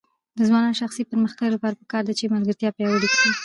د ځوانانو د شخصي پرمختګ لپاره پکار ده چې ملګرتیا پیاوړې کړي.